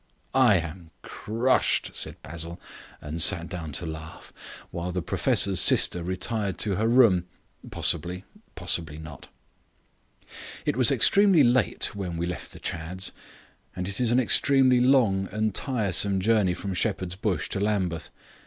"I am crushed," said Basil, and sat down to laugh, while the professor's sister retired to her room, possibly to laugh, possibly not. It was extremely late when we left the Chadds, and it is an extremely long and tiresome journey from Shepherd's Bush to Lambeth.